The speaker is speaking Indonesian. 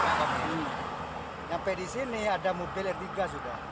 sampai di sini ada mobil r tiga sudah